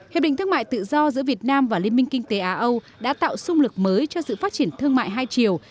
hiệp định thương mại tự do giữa việt nam và liên minh kinh tế á âu đã tạo sung lực mới cho sự phát triển thương mại hai chiều